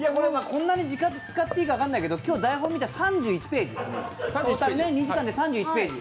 こんなに時間使っていいか分かんないけど、今日台本見たら２時間で３１ページ。